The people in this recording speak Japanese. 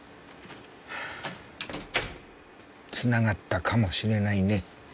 つながったかもしれないね